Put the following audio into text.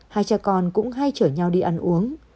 hai cha con cũng hay chở nhau đi ăn uống